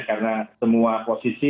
karena semua posisi